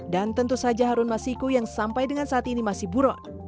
dan tentu saja harun masiku yang sampai dengan saat ini masih buruk